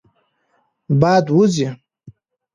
باد وزي.